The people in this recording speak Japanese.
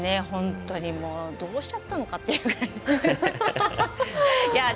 本当にどうしちゃったのかというくらい。